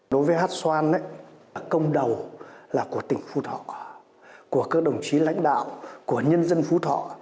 đối với hát xoan công đầu là của tỉnh phú thọ của các đồng chí lãnh đạo của nhân dân phú thọ